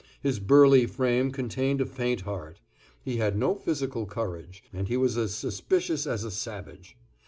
His burly frame contained a faint heart; he had no physical courage; and he was as suspicious as a savage.